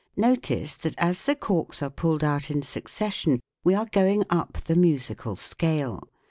Notice that as the corks are pulled out in succession we are going up the musical scale.